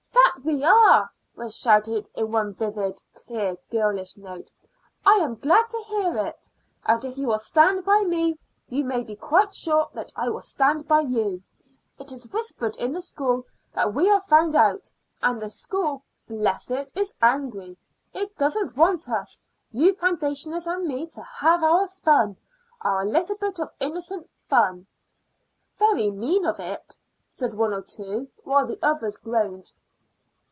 "That we are!" was shouted in one vivid, clear girlish note. "I am glad to hear it. And if you will stand by me, you may be quite sure that I will stand by you. It is whispered in the school that we are found out, and the school, bless it! is angry. It doesn't want us, you foundationers and me, to have our fun our little bit of innocent fun." "Very mean of it!" said one or two, while the others groaned.